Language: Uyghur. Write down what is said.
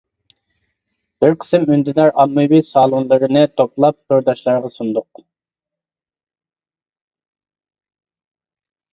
بىر قىسىم ئۈندىدار ئاممىۋى سالونلىرىنى توپلاپ تورداشلارغا سۇندۇق.